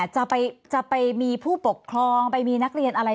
จะไปมีผู้ปกครองไปมีนักเรียนอะไร